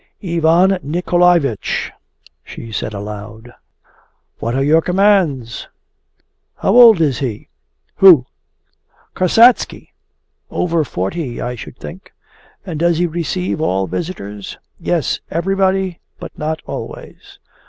'Ivan Nikolaevich!' she said aloud. 'What are your commands?' 'How old is he?' 'Who?' 'Kasatsky.' 'Over forty, I should think.' 'And does he receive all visitors?' 'Yes, everybody, but not always.